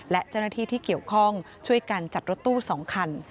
และเจ้าหน้าที่ที่เกี่ยวข้องช่วยกันจัดรถตู้๒คัน